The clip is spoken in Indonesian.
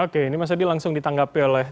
oke ini mas adi langsung ditanggapi oleh